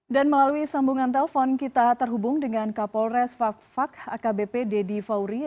dan melalui sambungan telepon kita terhubung dengan kapolres fak fak akbp deddy faurie